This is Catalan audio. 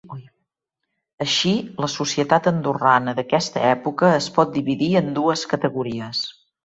Així, la societat andorrana d'aquesta època es pot dividir en dues categories.